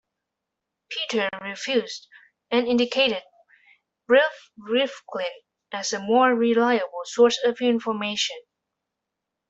Peter refused, and indicated Biff Rifkin as a more reliable source of information.